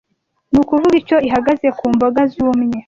ni ukuvuga icyo ihagaze ku mboga zumye